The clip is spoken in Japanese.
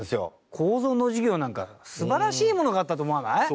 構造の授業なんか素晴らしいものがあったと思わない？